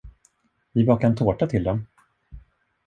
Vi bakar en tårta till dem!